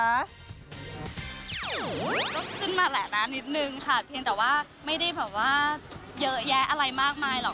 ก็ขึ้นมาแหละนะนิดนึงค่ะเพียงแต่ว่าไม่ได้แบบว่าเยอะแยะอะไรมากมายหรอก